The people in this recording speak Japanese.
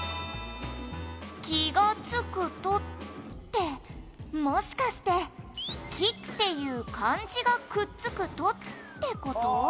「気が付くとってもしかして“気”っていう漢字がくっつくとって事？」